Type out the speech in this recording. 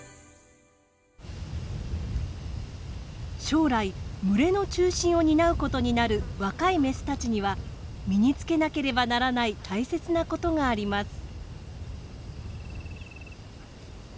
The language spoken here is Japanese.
将来群れの中心を担うことになる若いメスたちには身につけなければならない大切なことがあります。